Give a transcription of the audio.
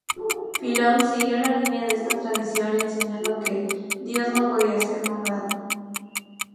Filón siguió la línea de esta tradición enseñando que dios no podía ser nombrado.